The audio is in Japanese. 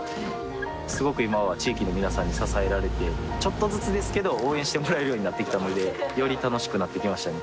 すごく今は地域の皆さんに支えられてちょっとずつですけど応援してもらえるようになってきたのでより楽しくなってきましたね